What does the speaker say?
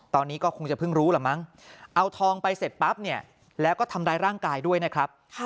ตอนนี้ก็คงจะเพิ่งรู้ล่ะมั้งเอาทองไปเสร็จปั๊บเนี่ยแล้วก็ทำร้ายร่างกายด้วยนะครับ